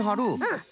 うん。